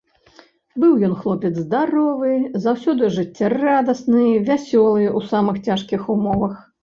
Быў ён хлопец здаровы, заўсёды жыццярадасны, вясёлы ў самых цяжкіх умовах.